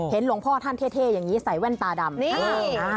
หลวงพ่อท่านเท่อย่างนี้ใส่แว่นตาดำ